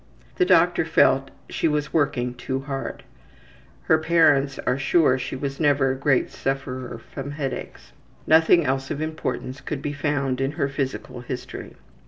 The doctor felt she was working too hard. Her parents are sure she was never a great sufferer from headaches. Nothing else of importance could be found in her physical history.